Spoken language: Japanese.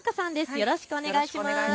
よろしくお願いします。